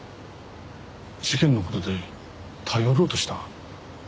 事件の事で頼ろうとした？